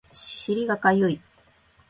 尻がかゆい